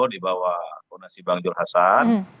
dibawah kondisi bang yul hasan